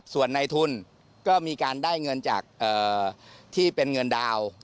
ส่วนในทุนก็มีการได้เงินจากที่เป็นเงินดาว